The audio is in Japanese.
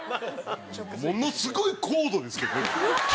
ものすごい高度ですけどね。